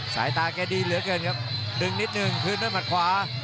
สายตาแกดีเหลือเกินครับดึงนิดนึงคืนด้วยหมัดขวา